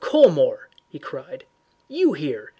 Colmore!" he cried. "You here!